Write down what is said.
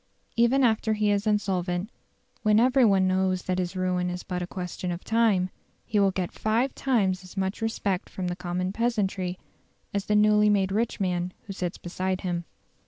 Even after he is insolvent, when every one knows that his ruin is but a question of time, he will get five times as much respect from the common peasantry as the newly made rich man who sits beside him.